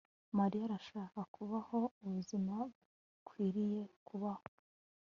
Mariya arashaka kubaho ubuzima bukwiriye kubaho